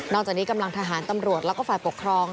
จากนี้กำลังทหารตำรวจแล้วก็ฝ่ายปกครอง